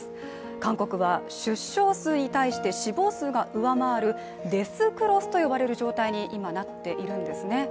韓国は出生数に対して死亡数が上回るデスクロスという状態に今、なっているんですね。